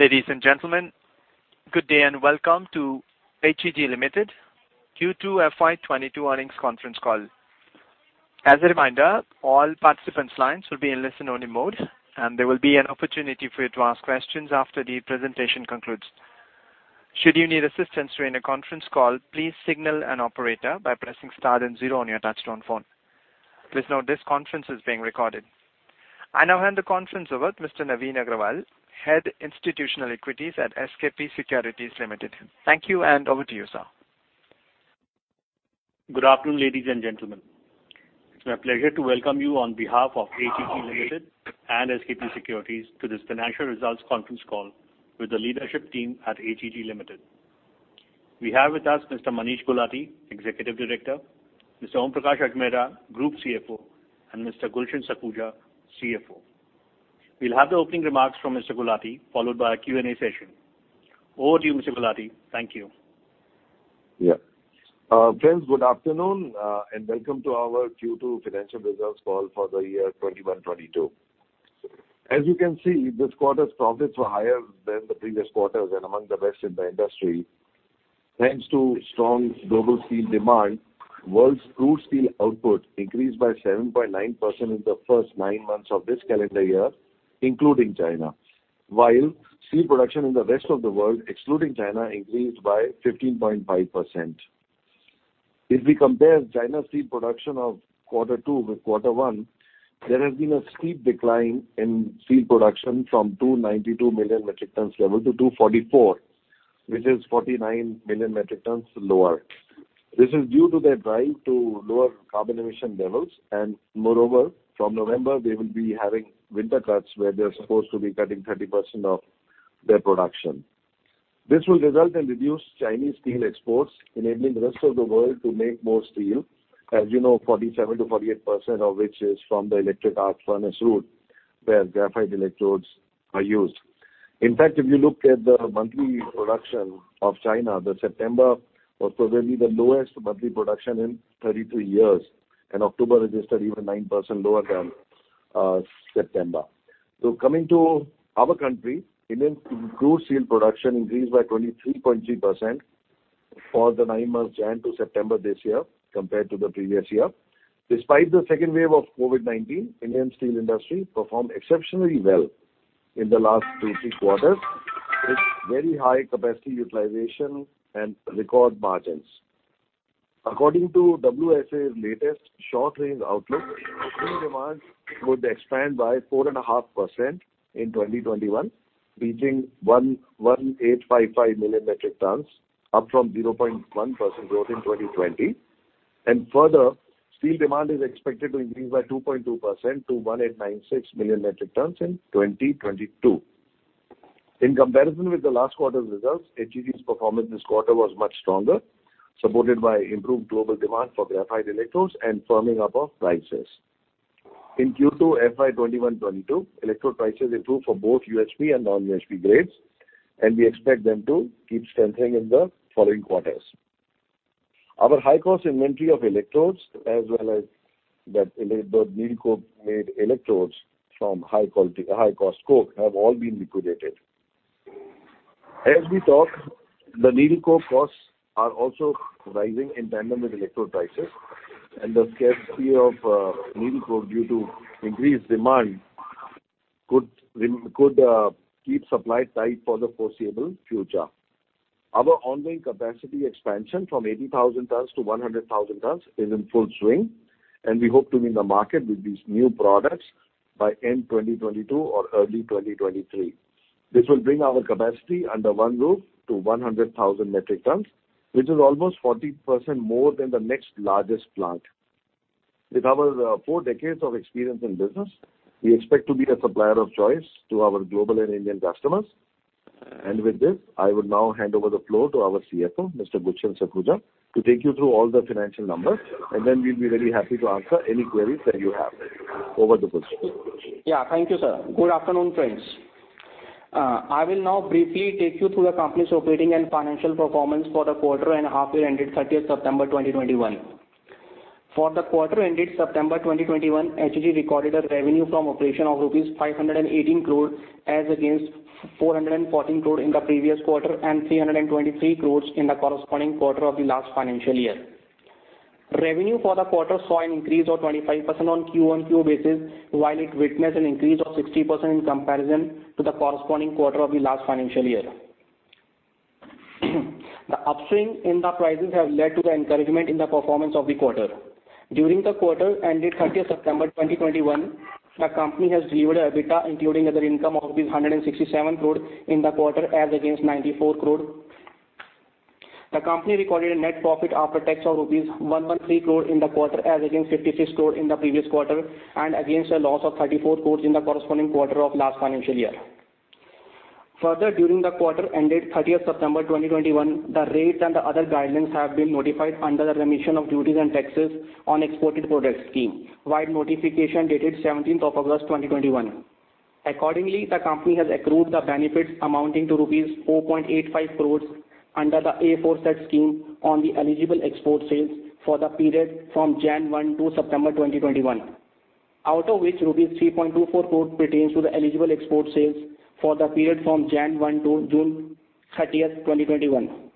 Ladies and gentlemen, good day and welcome to HEG Limited Q2 FY 2022 earnings conference call. As a reminder, all participants' lines will be in listen-only mode, and there will be an opportunity for you to ask questions after the presentation concludes. Should you need assistance during the conference call, please signal an operator by pressing star and zero on your touchtone phone. Please note this conference is being recorded. I now hand the conference over to Mr. Navin Agrawal, Head Institutional Equities at SKP Securities Limited. Thank you, and over to you, sir. Good afternoon, ladies and gentlemen. It's my pleasure to welcome you on behalf of HEG Limited and SKP Securities to this financial results conference call with the leadership team at HEG Limited. We have with us Mr. Manish Gulati, Executive Director, Mr. Omprakash Agrawal, Group CFO, and Mr. Gulshan Sakhuja, CFO. We'll have the opening remarks from Mr. Gulati, followed by a Q&A session. Over to you, Mr. Gulati. Thank you. Yeah. Friends, good afternoon, and welcome to our Q2 financial results call for the year 2021-22. As you can see, this quarter's profits were higher than the previous quarters and among the best in the industry. Thanks to strong global steel demand, world's crude steel output increased by 7.9% in the first nine months of this calendar year, including China, while steel production in the rest of the world, excluding China, increased by 15.5%. If we compare China's steel production of quarter two with quarter one, there has been a steep decline in steel production from 292 million metric tons level to 244 metric tons, which is 49 million metric tons lower. This is due to their drive to lower carbon emission levels. Moreover, from November, they will be having winter cuts where they're supposed to be cutting 30% of their production. This will result in reduced Chinese steel exports, enabling the rest of the world to make more steel. As you know, 47%-48% of which is from the electric arc furnace route where graphite electrodes are used. In fact, if you look at the monthly production of China, the September was probably the lowest monthly production in 33 years, and October registered even 9% lower than September. Coming to our country, Indian crude steel production increased by 23.3% for the nine months January to September this year compared to the previous year. Despite the second wave of COVID-19, Indian steel industry performed exceptionally well in the last two to three quarters with very high capacity utilization and record margins. According to WSA's latest short-range outlook, steel demand would expand by 4.5% in 2021, reaching 1,185.5 million metric tons, up from 0.1% growth in 2020. Further, steel demand is expected to increase by 2.2% to 1,896 million metric tons in 2022. In comparison with the last quarter's results, HEG's performance this quarter was much stronger, supported by improved global demand for graphite electrodes and firming up of prices. In Q2 FY 2021-2022, electrode prices improved for both UHP and non-UHP grades, and we expect them to keep strengthening in the following quarters. Our high-cost inventory of electrodes as well as the needle coke-made electrodes from high-cost coke have all been liquidated. As we talk, the needle coke costs are also rising in tandem with electrode prices, and the scarcity of needle coke due to increased demand could keep supply tight for the foreseeable future. Our ongoing capacity expansion from 80,000 tons to 100,000 tons is in full swing, and we hope to be in the market with these new products by end 2022 or early 2023. This will bring our capacity under one roof to 100,000 metric tons, which is almost 40% more than the next largest plant. With our four decades of experience in business, we expect to be a supplier of choice to our global and Indian customers. With this, I would now hand over the floor to our CFO, Mr. Gulshan Sakhuja, to take you through all the financial numbers. Then we'll be very happy to answer any queries that you have. Over to Gulshan. Thank you, sir. Good afternoon, friends. I will now briefly take you through the company's operating and financial performance for the quarter and half year ended 30 September 2021. For the quarter ended September 2021, HEG recorded a revenue from operations of rupees 518 crore against 414 crore in the previous quarter and 323 crore in the corresponding quarter of the last financial year. Revenue for the quarter saw an increase of 25% on Q-on-Q basis, while it witnessed an increase of 60% in comparison to the corresponding quarter of the last financial year. The upswing in the prices have led to the encouragement in the performance of the quarter. During the quarter ended 30th September 2021, the company has delivered EBITDA including other income of rupees 167 crore in the quarter as against 94 crore. The company recorded a net profit after tax of rupees 113 crore in the quarter, as against 56 crore in the previous quarter and against a loss of 34 crore in the corresponding quarter of last financial year. Further, during the quarter ended 30th September 2021, the rates and the other guidelines have been notified under the Remission of Duties and Taxes on Exported Products scheme, via notification dated 17th August 2021. Accordingly, the company has accrued the benefits amounting to rupees 4.85 crore under the RoDTEP scheme on the eligible export sales for the period from January 1 to September 2021. Out of which rupees 3.24 crore pertains to the eligible export sales for the period from January 1 to June 30, 2021.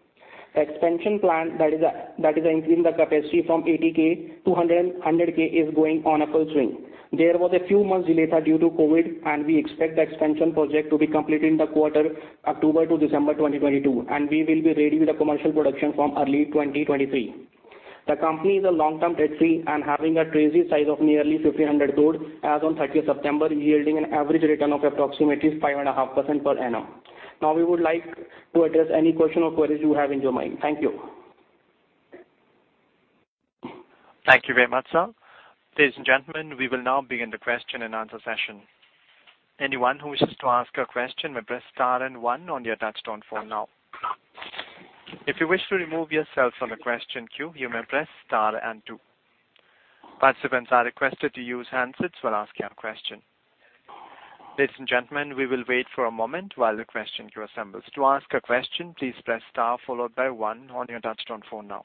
Expansion plan that is increasing the capacity from 80K to 100K is going in full swing. There was a few months delay due to COVID, and we expect the expansion project to be completed in the quarter October to December 2022, and we will be ready with the commercial production from early 2023. The company is long-term debt-free and having a treasury size of nearly 1,500 crore as on September 30, yielding an average return of approximately 5.5% per annum. Now we would like to address any question or queries you have in your mind. Thank you. Thank you very much, sir. Ladies and gentlemen, we will now begin the question-and-answer session. Anyone who wishes to ask a question may press star and one on your touchtone phone now. If you wish to remove yourself from the question queue, you may press star and two. Participants are requested to use handsets while asking a question. Ladies and gentlemen, we will wait for a moment while the question queue assembles. To ask a question, please press star followed by one on your touchtone phone now.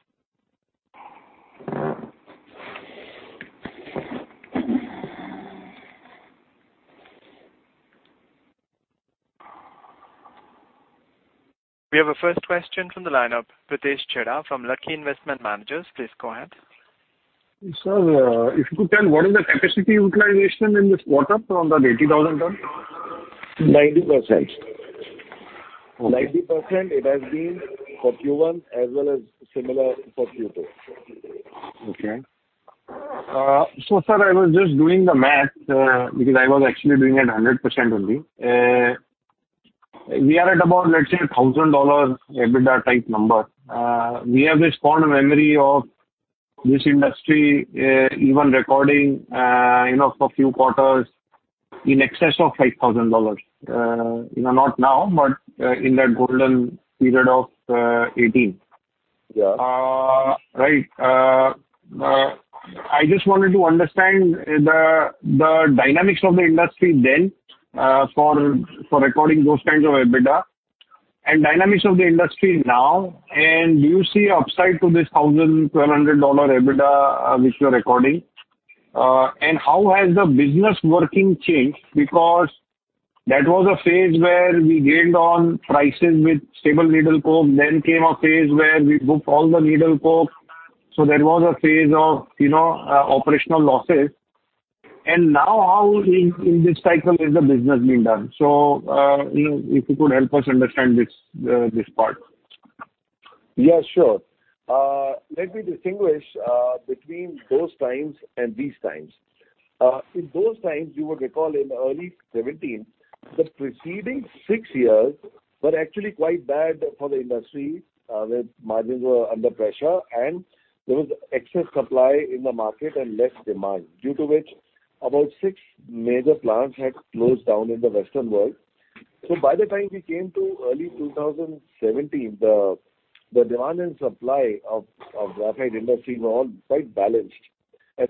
We have a first question from the lineup, Pritesh Chheda from Lucky Investment Managers. Please go ahead. Sir, if you could tell what is the capacity utilization in this quarter from that 80,000 ton? 90%. Okay. 90% it has been for Q1 as well as similar for Q2. Okay. Sir, I was just doing the math, because I was actually doing it 100% only. We are at about, let's say, $1,000 EBITDA type number. We have this fond memory of this industry, even recording, you know, for few quarters in excess of $5,000. You know, not now, but in that golden period of 2018. Yeah. Right. I just wanted to understand the dynamics of the industry then for recording those kinds of EBITDA and dynamics of the industry now. Do you see upside to this $1,000-$1,200 EBITDA which you are recording? How has the business working changed? Because that was a phase where we gained on prices with stable needle coke, then came a phase where we booked all the needle coke. That was a phase of, you know, operational losses. Now how in this cycle is the business being done? You know, if you could help us understand this part. Yeah, sure. Let me distinguish between those times and these times. In those times, you would recall in early 2017, the preceding six years were actually quite bad for the industry, where margins were under pressure, and there was excess supply in the market and less demand. Due to which about six major plants had closed down in the Western world. By the time we came to early 2017, the demand and supply of graphite industry were all quite balanced.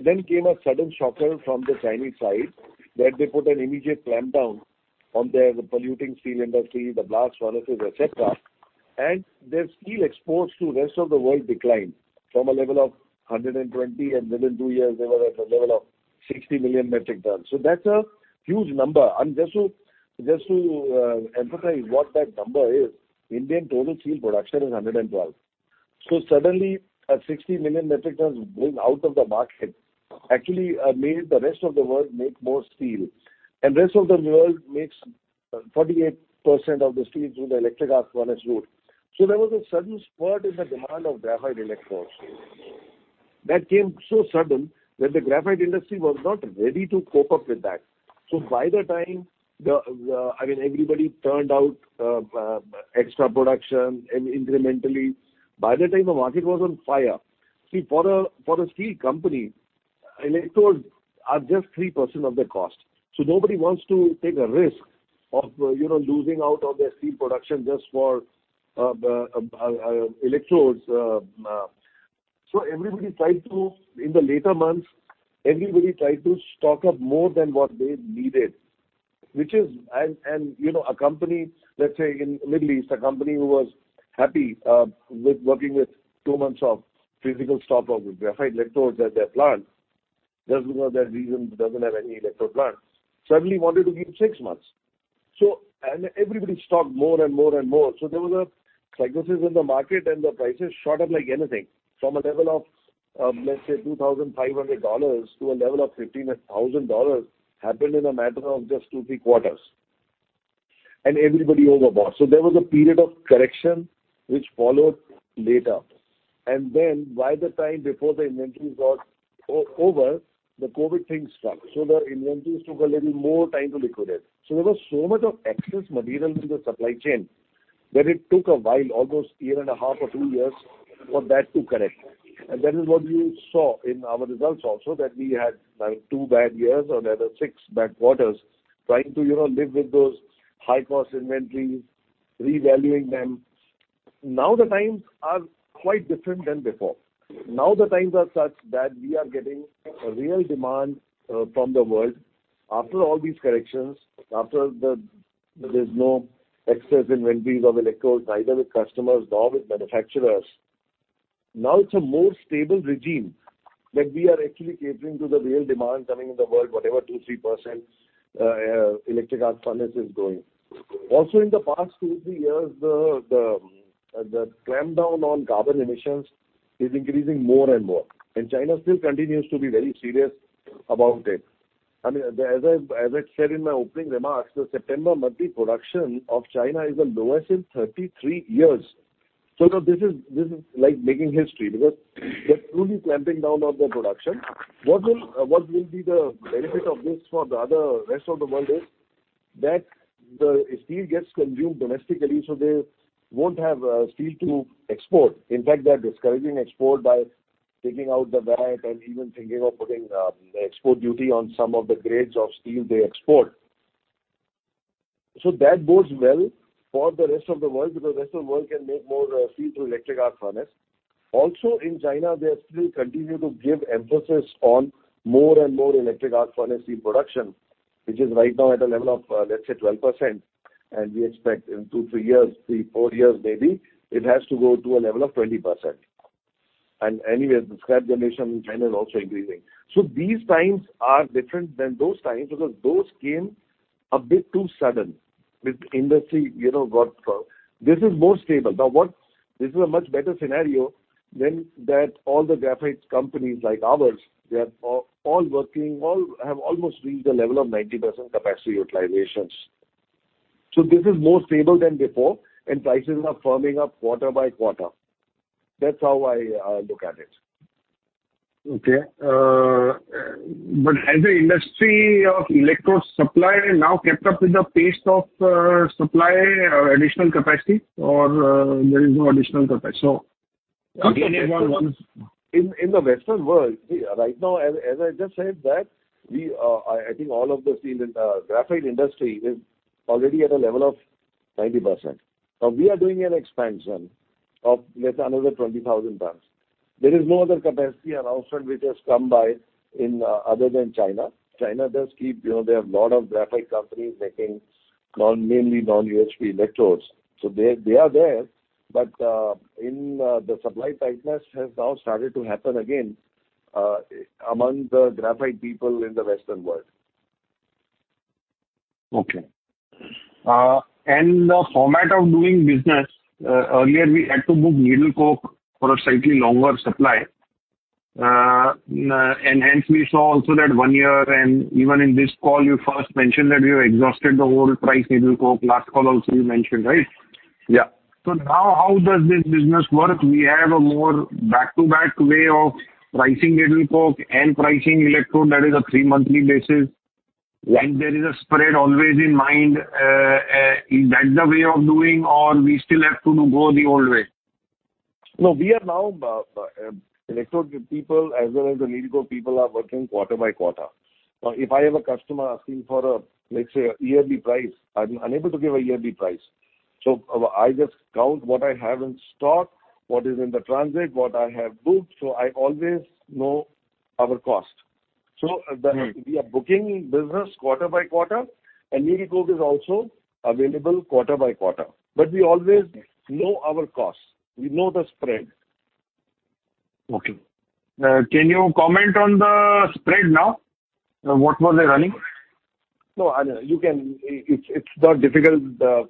Then came a sudden shocker from the Chinese side, where they put an immediate clampdown on their polluting steel industry, the blast furnaces, et cetera. Their steel exports to rest of the world declined from a level of 120, and within two years they were at a level of 60 million metric tons. That's a huge number. Just to emphasize what that number is, Indian total steel production is 112. Suddenly a 60 million metric tons going out of the market actually made the rest of the world make more steel. Rest of the world makes 48% of the steel through the electric arc furnace route. There was a sudden spurt in the demand of graphite electrodes. That came so sudden that the graphite industry was not ready to cope up with that. I mean, by the time everybody turned out extra production incrementally, the market was on fire. See, for a steel company, electrodes are just 3% of the cost. Nobody wants to take a risk of, you know, losing out on their steel production just for electrodes. In the later months, everybody tried to stock up more than what they needed, and you know, a company, let's say in Middle East, a company who was happy with working with two months of physical stock of graphite electrodes at their plant just because that region doesn't have any electrode plant, suddenly wanted to keep six months. Everybody stocked more and more and more. There was a psychosis in the market, and the prices shot up like anything. From a level of, let's say, $2,500 to a level of $15,000 happened in a matter of just two to three quarters. Everybody overbought. There was a period of correction which followed later. By the time before the inventories got over, the COVID thing struck. The inventories took a little more time to liquidate. There was so much of excess material in the supply chain that it took a while, almost year and a half or two years, for that to correct. That is what you saw in our results also, that we had like two bad years or rather six bad quarters trying to, you know, live with those high-cost inventories, revaluing them. Now the times are quite different than before. Now the times are such that we are getting a real demand from the world. After all these corrections, there's no excess inventories of electrodes, either with customers nor with manufacturers. Now it's a more stable regime that we are actually catering to the real demand coming in the world, whatever 2%-3% electric arc furnace is going. Also in the past two to three years, the clampdown on carbon emissions is increasing more and more, and China still continues to be very serious about it. I mean, as I said in my opening remarks, the September monthly production of China is the lowest in 33 years. So this is like making history because they're truly clamping down on their production. What will be the benefit of this for the other rest of the world is that the steel gets consumed domestically, so they won't have steel to export. In fact, they're discouraging export by taking out the VAT and even thinking of putting export duty on some of the grades of steel they export. That bodes well for the rest of the world, because the rest of the world can make more steel through electric arc furnace. Also in China, they still continue to give emphasis on more and more electric arc furnace in production, which is right now at a level of, let's say, 12%. We expect in two, three years, three, four years, maybe it has to go to a level of 20%. Anyway, the scrap generation in China is also increasing. These times are different than those times because those came a bit too sudden with industry, you know. This is more stable. This is a much better scenario than that. All the graphite companies like ours, they are all working, all have almost reached a level of 90% capacity utilizations. This is more stable than before and prices are firming up quarter by quarter. That's how I look at it. Okay. Has the industry of electrode supply now kept up with the pace of supply additional capacity or there is no additional capacity? In the Western world right now, as I just said, I think all of the steel and graphite industry is already at a level of 90%. Now we are doing an expansion of, let's say, another 20,000 tons. There is no other capacity announcement which has come by, other than in China. China does keep, you know, they have a lot of graphite companies making mainly non-UHP electrodes. They are there. The supply tightness has now started to happen again among the graphite people in the Western world. Okay. The format of doing business, earlier we had to book needle coke for a slightly longer supply. Hence we saw also that one year, and even in this call, you first mentioned that you exhausted the whole priced needle coke. Last call also you mentioned, right? Yeah. Now how does this business work? We have a more back-to-back way of pricing needle coke and pricing electrode that is a three monthly basis, and there is a spread always in mind. Is that the way of doing or we still have to go the old way? No, we are now electrode people as well as the needle coke people are working quarter by quarter. Now, if I have a customer asking for, let's say, a yearly price, I'm unable to give a yearly price. I just count what I have in stock, what is in transit, what I have booked. I always know our cost. Mm-hmm. We are booking business quarter by quarter. Needle coke is also available quarter by quarter. We always know our costs. We know the spread. Okay. Can you comment on the spread now? What was it running? No, I know. You can. It's not difficult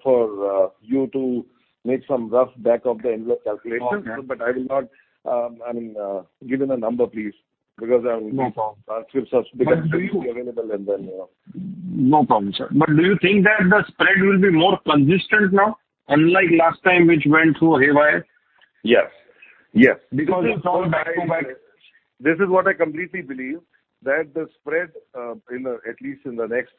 for you to make some rough back of the envelope calculations. Okay. I will not, I mean, give you the number please, because I will be. No problem. Transcripts because it will be available and then, you know. No problem, sir. Do you think that the spread will be more consistent now, unlike last time, which went through haywire? Yes. Yes. Because it's all back to back. This is what I completely believe, that the spread in at least the next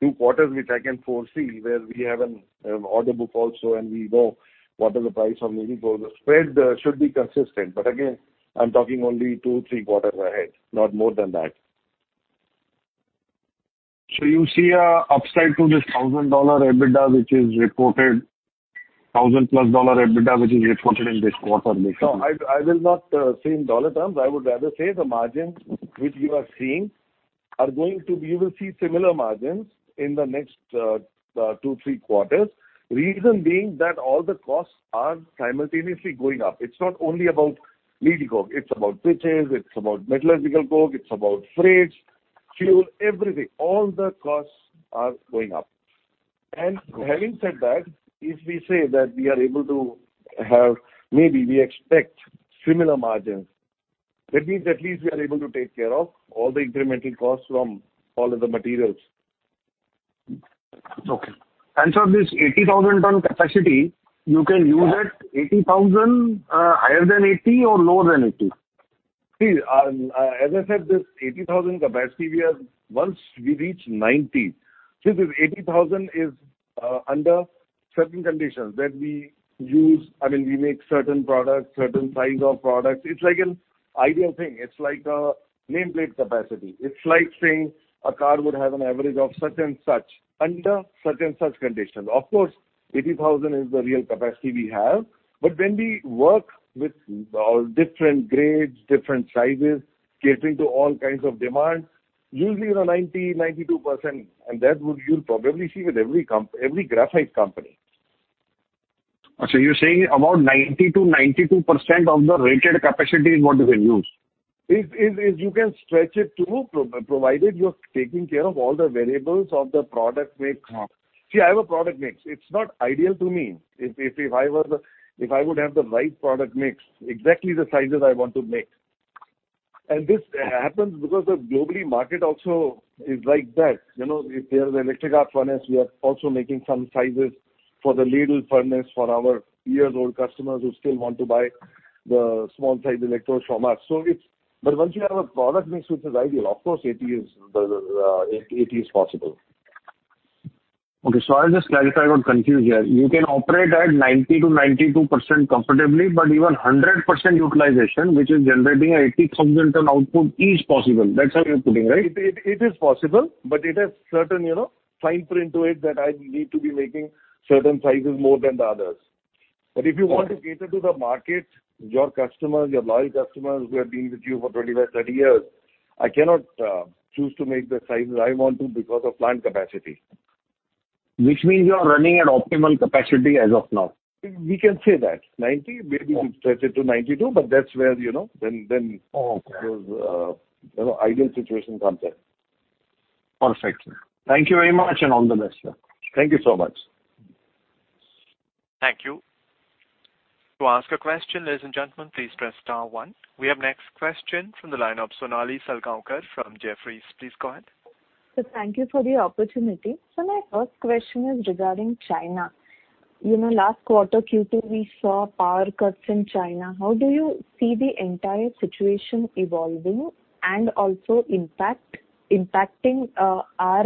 two quarters, which I can foresee, where we have an order book also, and we know what is the price of needle coke. The spread should be consistent. Again, I'm talking only two, three quarters ahead, not more than that. You see an upside to this $1,000 EBITDA, which is reported, $1,000+ EBITDA, which is reported in this quarter basically. No. I will not say in dollar terms. I would rather say the margins which you are seeing are going to be. You will see similar margins in the next two, three quarters. Reason being that all the costs are simultaneously going up. It's not only about needle coke, it's about Pitch, it's about metallurgical coke, it's about freights, fuel, everything. All the costs are going up. Having said that, if we say that we are able to have, maybe we expect similar margins, that means at least we are able to take care of all the incremental costs from all of the materials. Okay. This 80,000-ton capacity, you can use at 80,000, higher than 80,000 or lower than 80,000? See, as I said, this 80,000 capacity. Once we reach 90. See, this 80,000 is under certain conditions that we use. I mean, we make certain products, certain size of products. It's like an ideal thing. It's like a nameplate capacity. It's like saying a car would have an average of such and such under such and such conditions. Of course, 80,000 is the real capacity we have. When we work with all different grades, different sizes, catering to all kinds of demands. Usually around 90%, 92%, and you'll probably see with every graphite company. Okay. You're saying about 90%-92% of the rated capacity is what you will use? Yes, you can stretch it to, provided you're taking care of all the variables of the product mix. Uh-huh. See, I have a product mix. It's not ideal to me. If I would have the right product mix, exactly the sizes I want to make. This happens because the global market also is like that. You know, if there's electric arc furnace, we are also making some sizes for the ladle furnace for our years-old customers who still want to buy the small size electrode from us. Once you have a product mix which is ideal, of course 80 is the, 80 is possible. Okay. I'll just clarify. I got confused here. You can operate at 90%-92% comfortably, but even 100% utilization, which is generating 80,000 tons output, is possible. That's how you're putting, right? It is possible, but it has certain, you know, fine print to it that I need to be making certain sizes more than the others. Okay. If you want to cater to the market, your customers, your loyal customers who have been with you for 25, 30 years, I cannot choose to make the sizes I want to because of plant capacity. Which means you are running at optimal capacity as of now. We can say that. 90%, maybe we've stretched it to 92%, but that's where, you know, then. Oh, okay. Because, you know, ideal situation comes in. Perfect. Thank you very much, and all the best, sir. Thank you so much. Thank you. To ask a question, ladies and gentlemen, please press star one. We have next question from the line of Sonali Salgaonkar from Jefferies. Please go ahead. Sir, thank you for the opportunity. My first question is regarding China. You know, last quarter, Q2, we saw power cuts in China. How do you see the entire situation evolving and also impact our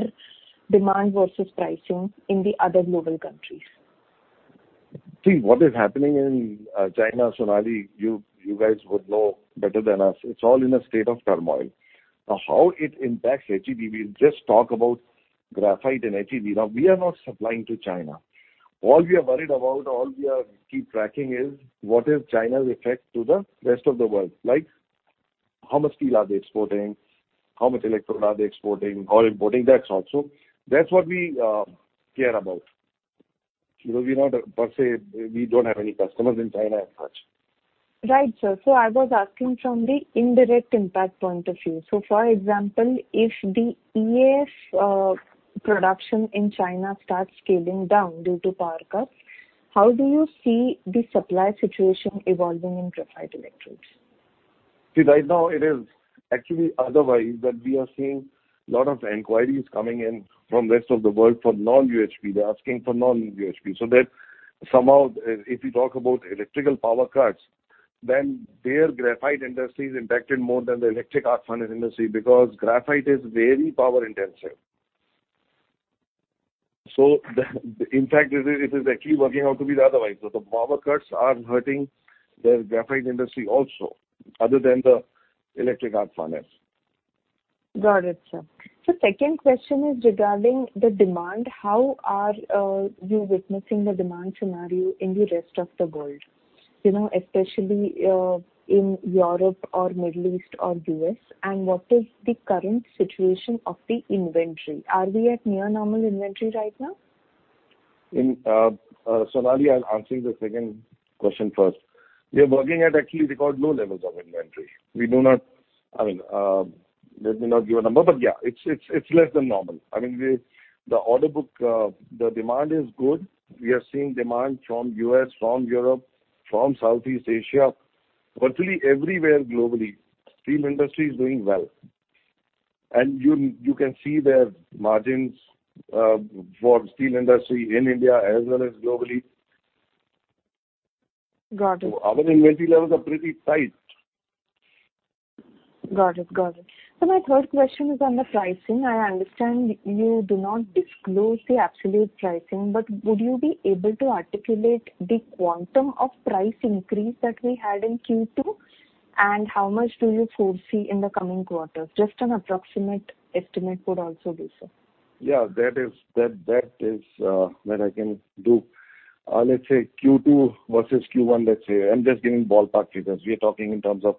demand versus pricing in the other global countries? See, what is happening in China, Sonali, you guys would know better than us. It's all in a state of turmoil. Now, how it impacts HEG, we'll just talk about graphite and HEG. Now, we are not supplying to China. All we are worried about, all we keep tracking is what is China's effect to the rest of the world. Like how much steel are they exporting? How much electrodes are they exporting or importing? That's all. That's what we care about. You know, we're not per se, we don't have any customers in China as such. Right, sir. I was asking from the indirect impact point of view. For example, if the EAF production in China starts scaling down due to power cuts, how do you see the supply situation evolving in Graphite Electrodes? See, right now it is actually otherwise, but we are seeing lot of inquiries coming in from rest of the world for non-UHP. They're asking for non-UHP. That somehow if you talk about electrical power cuts, then their graphite industry is impacted more than the electric arc furnace industry because graphite is very power intensive. In fact it is actually working out to be the otherwise. The power cuts are hurting the graphite industry also other than the electric arc furnace. Got it, sir. Second question is regarding the demand. How are you witnessing the demand scenario in the rest of the world? You know, especially, in Europe or Middle East or U.S., and what is the current situation of the inventory? Are we at near normal inventory right now? Sonali, I'll answer the second question first. We are working at actually record low levels of inventory. We do not I mean, let me not give a number, but yeah, it's less than normal. I mean, the order book, the demand is good. We are seeing demand from U.S., from Europe, from Southeast Asia. Virtually everywhere globally, steel industry is doing well. You can see their margins for steel industry in India as well as globally. Got it. Our inventory levels are pretty tight. Got it. My third question is on the pricing. I understand you do not disclose the absolute pricing, but would you be able to articulate the quantum of price increase that we had in Q2, and how much do you foresee in the coming quarters? Just an approximate estimate would also do, sir. Yeah. That is what I can do. Let's say Q2 versus Q1, let's say. I'm just giving ballpark figures. We are talking in terms of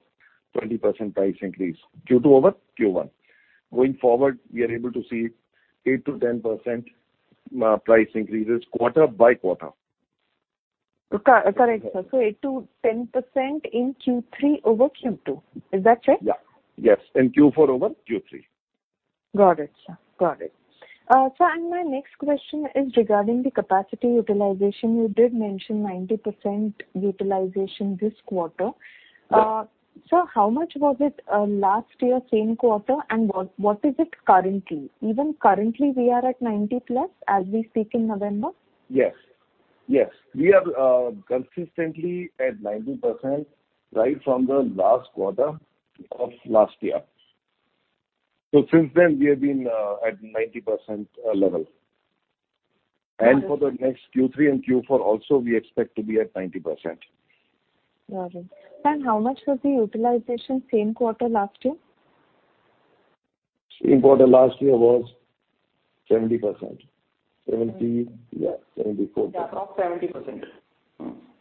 20% price increase, Q2 over Q1. Going forward, we are able to see 8%-10% price increases quarter by quarter. Okay. Correct, sir. 8%-10% in Q3 over Q2. Is that correct? Yeah. Yes. In Q4 over Q3. Got it, sir. Got it. Sir, my next question is regarding the capacity utilization. You did mention 90% utilization this quarter. Yeah. Sir, how much was it last year same quarter, and what is it currently? Even currently we are at 90%+ as we speak in November? Yes. We are consistently at 90% right from the last quarter of last year. Since then we have been at 90% level. Got it. For the next Q3 and Q4 also we expect to be at 90%. Got it. How much was the utilization same quarter last year? Same quarter last year was 70%. 70%, yeah, 74%. Yeah. Around 70%.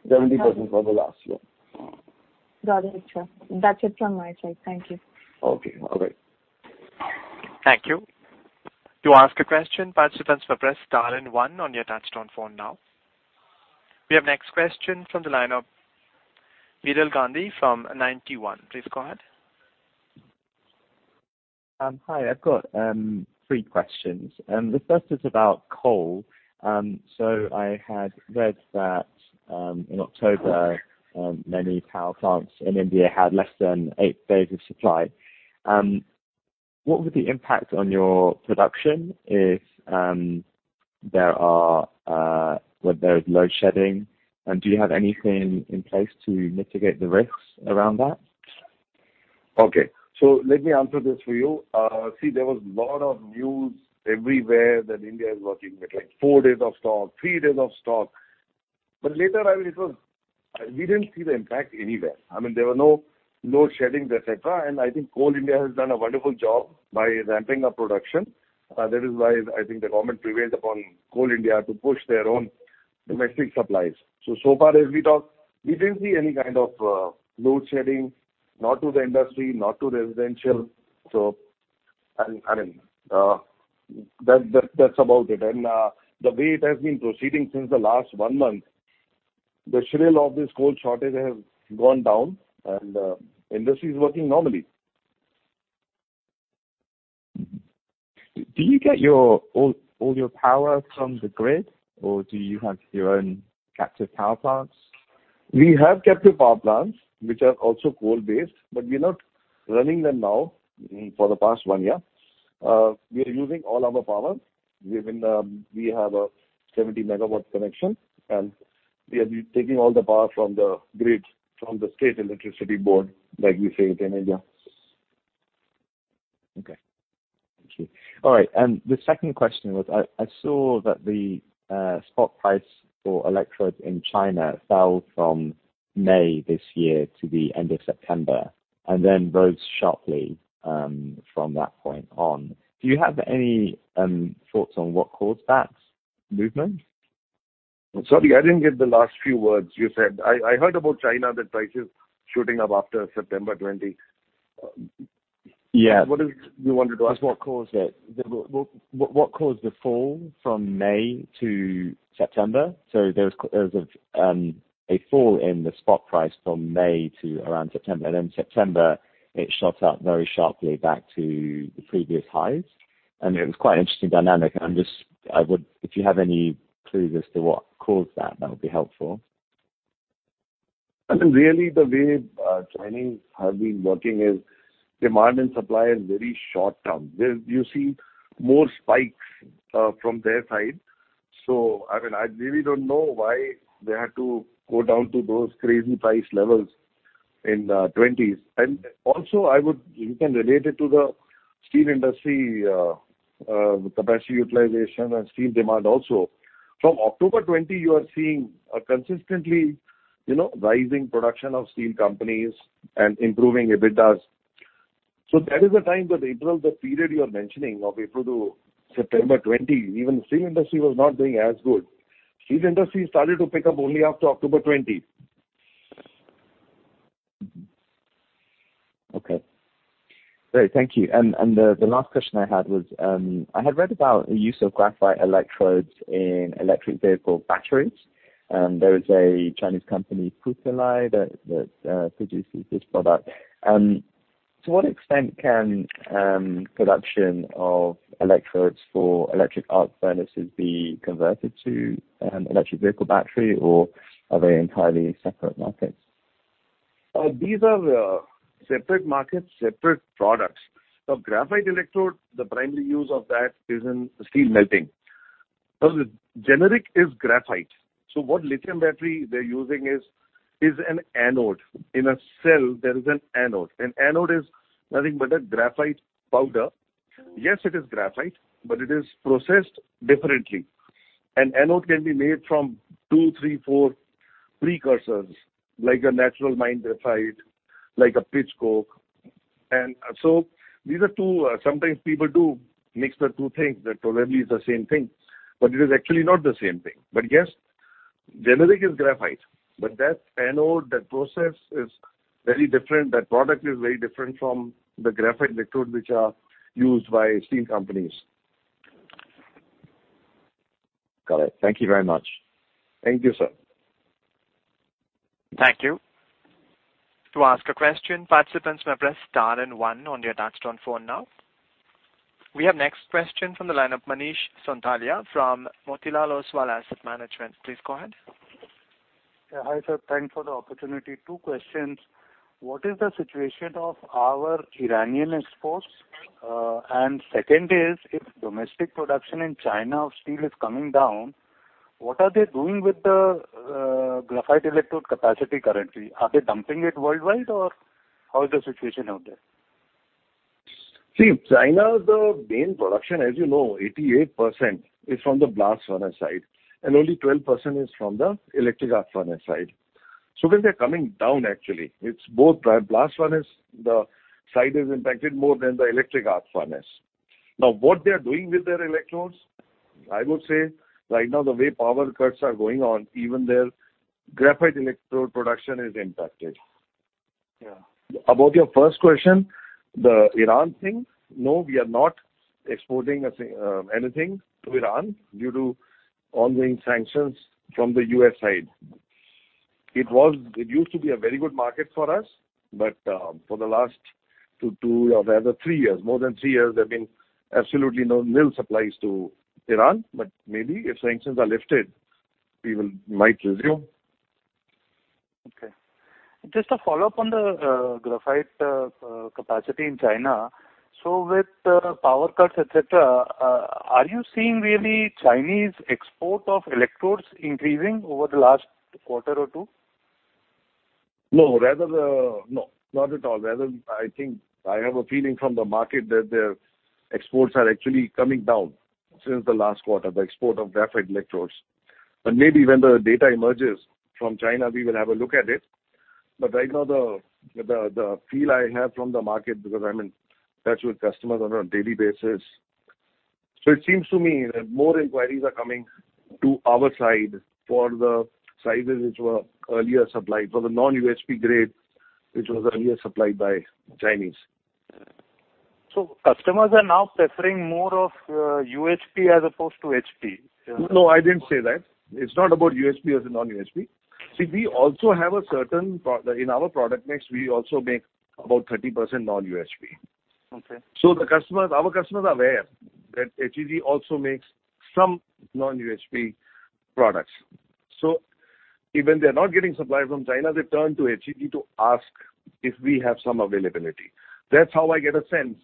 70% for the last year. Got it, sir. That's it from my side. Thank you. Okay. All right. Thank you. To ask a question, participants may press star and one on your touchtone phone now. We have next question from the line of Veeral Gandhi from Ninety One. Please go ahead. Hi. I've got three questions. The first is about coal. I had read that in October many power plants in India had less than eight days of supply. What would the impact on your production if there is load shedding, and do you have anything in place to mitigate the risks around that? Okay. Let me answer this for you. See, there was a lot of news everywhere that India is working with, like, four days of stock, three days of stock. Later I realized, we didn't see the impact anywhere. I mean, there were no load sheddings, et cetera. I think Coal India has done a wonderful job by ramping up production. That is why I think the government prevailed upon Coal India to push their own domestic supplies. So far as we talk, we didn't see any kind of load shedding, not to the industry, not to residential. That's about it. The way it has been proceeding since the last one month, the schedule of this coal shortage has gone down, and industry is working normally. Do you get all your power from the grid, or do you have your own captive power plants? We have captive power plants, which are also coal-based, but we're not running them now for the past year. We are using all our power. We have a 70 MW connection, and we have been taking all the power from the grid, from the state electricity board, like we say it in India. Okay. Thank you. All right. The second question was I saw that the spot price for electrodes in China fell from May this year to the end of September and then rose sharply from that point on. Do you have any thoughts on what caused that movement? Sorry, I didn't get the last few words you said. I heard about China, that price is shooting up after September 2020. Yeah. What is it you wanted to ask? What caused the fall from May to September? There was a fall in the spot price from May to around September. September it shot up very sharply back to the previous highs. I mean, it was quite an interesting dynamic. If you have any clues as to what caused that would be helpful. I mean, really the way Chinese have been working is demand and supply is very short-term. There you see more spikes from their side. I mean, I really don't know why they had to go down to those crazy price levels in the twenties. Also you can relate it to the steel industry capacity utilization and steel demand also. From October 2020, you are seeing a consistently, you know, rising production of steel companies and improving EBITDAs. That is the time that entails the period you're mentioning of April to September 2020. Even steel industry was not doing as good. Steel industry started to pick up only after October 2020. Mm-hmm. Okay. Great. Thank you. The last question I had was, I had read about the use of graphite electrodes in electric vehicle batteries. There is a Chinese company, Putailai, that produces this product. To what extent can production of electrodes for electric arc furnaces be converted to electric vehicle battery, or are they entirely separate markets? These are separate markets, separate products. Now, graphite electrode, the primary use of that is in steel melting. Because generally it's graphite, so what lithium battery they're using is an anode. In a cell there is an anode. An anode is nothing but a graphite powder. Yes, it is graphite, but it is processed differently. An anode can be made from two, three, four precursors, like natural graphite, like pitch coke. These are two. Sometimes people do mix the two things. That probably is the same thing, but it is actually not the same thing. But yes, generally it's graphite. But that anode, that process is very different. That product is very different from the graphite electrode which are used by steel companies. Got it. Thank you very much. Thank you, sir. Thank you. To ask a question, participants may press star and one on your touchtone phone now. We have next question from the line of Manish Sonthalia from Motilal Oswal Asset Management. Please go ahead. Yeah. Hi, sir. Thanks for the opportunity. Two questions. What is the situation of our Iranian exports? Second is, if domestic production in China of steel is coming down, what are they doing with the graphite electrode capacity currently? Are they dumping it worldwide, or how is the situation out there? See, China, the main production, as you know, 88% is from the blast furnace side, and only 12% is from the electric arc furnace side. When they're coming down, actually, it's both. Blast furnace, the side is impacted more than the electric arc furnace. Now what they are doing with their electrodes, I would say right now the way power cuts are going on, even their graphite electrode production is impacted. Yeah. About your first question, the Iran thing. No, we are not exporting anything to Iran due to ongoing sanctions from the U.S. side. It used to be a very good market for us, but for the last two or rather three years, more than three years, there's been absolutely no nil supplies to Iran. Maybe if sanctions are lifted, we might resume. Okay. Just a follow-up on the graphite capacity in China. With the power cuts, et cetera, are you seeing really Chinese export of electrodes increasing over the last quarter or two? No, not at all. Rather, I think I have a feeling from the market that their exports are actually coming down since the last quarter, the export of graphite electrodes. Maybe when the data emerges from China, we will have a look at it. Right now the feel I have from the market because I'm in touch with customers on a daily basis. It seems to me that more inquiries are coming to our side for the sizes which were earlier supplied, for the non-UHP grade, which was earlier supplied by Chinese. Customers are now preferring more of UHP as opposed to HP? No, I didn't say that. It's not about UHP or non-UHP. See, in our product mix, we also make about 30% non-UHP. Okay. The customers, our customers are aware that HEG also makes some non-UHP products. Even they're not getting supply from China, they turn to HEG to ask if we have some availability. That's how I get a sense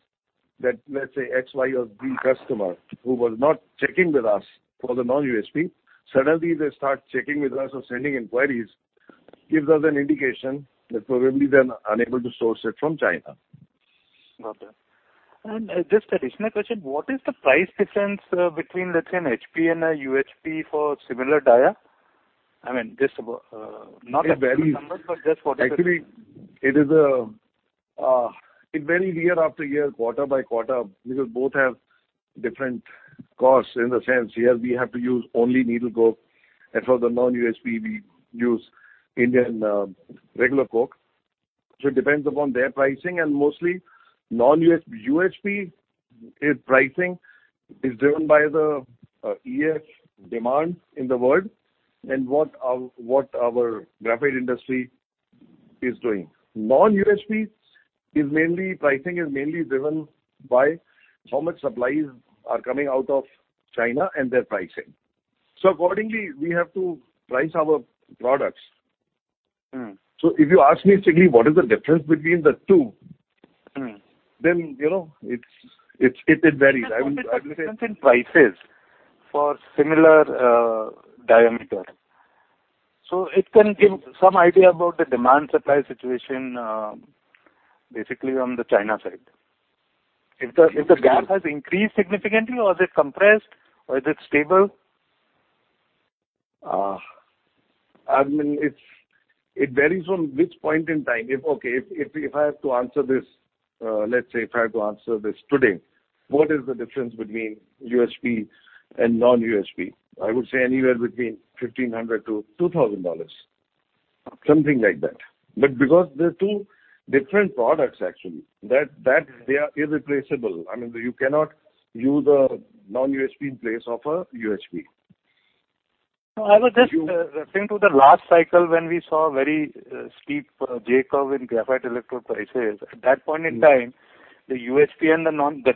that, let's say X, Y or Z customer who was not checking with us for the non-UHP, suddenly they start checking with us or sending inquiries, gives us an indication that probably they're unable to source it from China. Okay. Just an additional question. What is the price difference between, let's say, an HP and a UHP for similar dia? I mean, just not- Actually- -exact numbers, but just for. Actually, it varies year after year, quarter by quarter, because both have different costs in the sense, yes, we have to use only needle coke. For the non-UHP we use Indian regular coke. It depends upon their pricing and mostly non-UHP. UHP, its pricing is driven by the EAF demand in the world and what our graphite industry is doing. Non-UHP is mainly, pricing is mainly driven by how much supplies are coming out of China and their pricing. Accordingly, we have to price our products. Mm. If you ask me strictly what is the difference between the two? Mm. You know, it varies. I would say. The difference in prices for similar diameter. It can give some idea about the demand supply situation, basically on the China side. If the gap has increased significantly or is it compressed or is it stable? I mean, it varies from which point in time. If I have to answer this, let's say if I have to answer this today, what is the difference between UHP and non-UHP? I would say anywhere between $1,500-$2,000, something like that. But because they're two different products actually, that they are irreplaceable. I mean, you cannot use a non-UHP in place of a UHP. No, I was just referring to the last cycle when we saw very steep J-curve in graphite electrode prices. At that point in time, the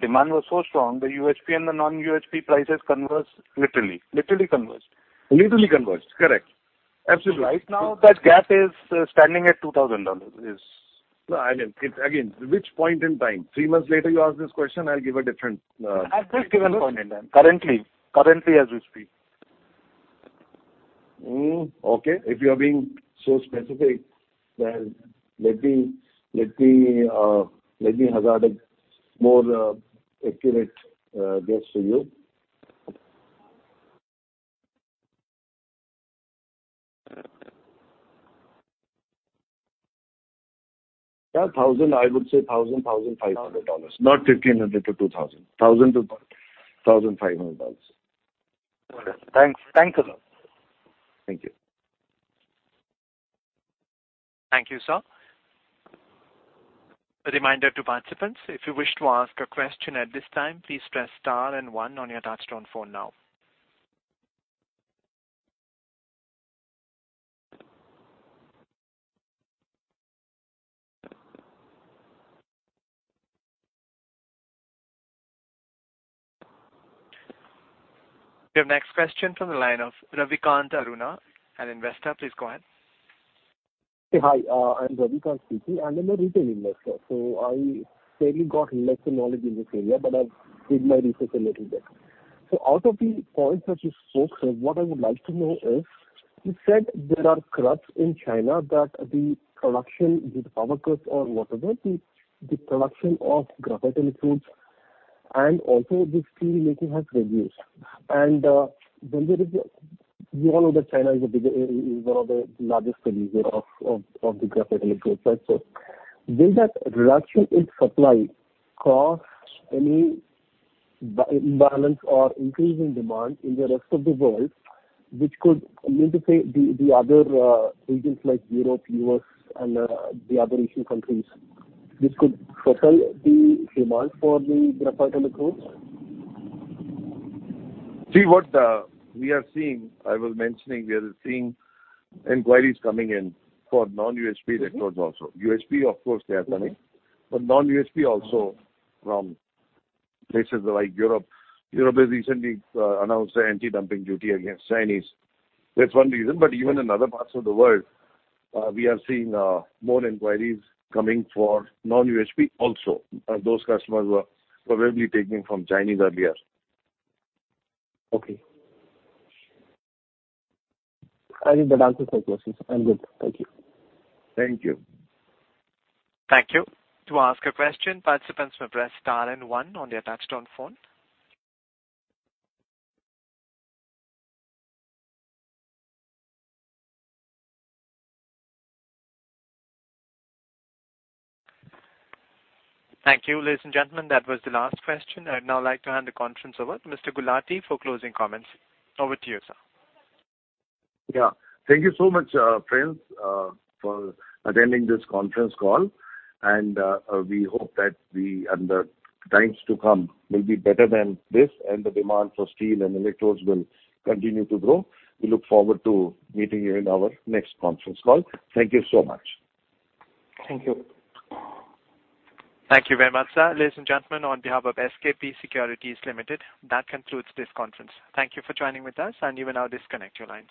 demand was so strong, the UHP and the non-UHP prices converged literally converged. Literally converged. Correct. Absolutely. Right now that gap is standing at $2,000. Yes. No, I mean, it's again, which point in time? Three months later you ask this question, I'll give a different. At this given point in time. Currently as we speak. Okay. If you are being so specific, then let me hazard a more accurate guess to you. Yeah. I would say $1,000 to $1,500. Not $1,500 to $2,000. $1,000 to $1,500. Got it. Thanks. Thanks a lot. Thank you. Thank you, sir. A reminder to participants, if you wish to ask a question at this time, please press star and one on your touchtone phone now. Your next question from the line of Ravikant Taruna, an investor. Please go ahead. Hi, I'm Ravikant speaking. I'm a retail investor, so I barely got lesser knowledge in this area, but I've did my research a little bit. Out of the points that you spoke, sir, what I would like to know is, you said there are cuts in China that the production with power cuts or whatever the production of graphite electrodes and also this steel making has reduced. We all know that China is a big is one of the largest producer of the graphite electrodes, right? Will that reduction in supply cause any imbalance or increase in demand in the rest of the world which could compensate the other regions like Europe, U.S. and the other Asian countries, which could fulfill the demand for the graphite electrodes? We are seeing, I was mentioning we are seeing inquiries coming in for non-UHP electrodes also. UHP, of course, they are coming. Non-UHP also from places like Europe. Europe has recently announced anti-dumping duty against Chinese. That's one reason. Even in other parts of the world, we are seeing more inquiries coming for non-UHP also. Those customers were probably taking from Chinese earlier. Okay. I think that answers my questions. I'm good. Thank you. Thank you. Thank you, ladies and gentlemen. That was the last question. I'd now like to hand the conference over to Mr. Gulati for closing comments. Over to you, sir. Yeah. Thank you so much, friends, for attending this conference call, and we hope that we and the times to come will be better than this and the demand for steel and electrodes will continue to grow. We look forward to meeting you in our next conference call. Thank you so much. Thank you. Thank you very much, sir. Ladies and gentlemen, on behalf of SKP Securities Limited, that concludes this conference. Thank you for joining with us, and you may now disconnect your lines.